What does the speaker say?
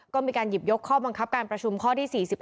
ก็มีการหยิบยกข้อบังคับการประชุมข้อที่๔๑